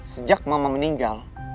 sejak mama meninggal